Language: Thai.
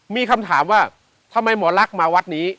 มีคำถามว่าทำไมหมอลักษณ์มาวัดนี้